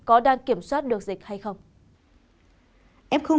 tp hcm có đang kiểm soát được dịch hay không